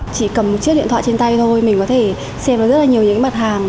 chỉ cầm chiếc điện thoại trên tay thôi mình có thể xem ra rất là nhiều những mặt hàng